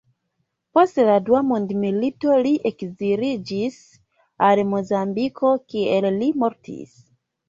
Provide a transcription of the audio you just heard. Post la Dua Mondmilito, li ekziliĝis al Mozambiko, kie li mortis.